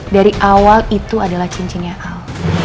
dari awal itu adalah cincinnya al